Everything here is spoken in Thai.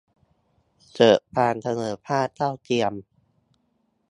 เกิดความเสมอภาค เท่าเทียม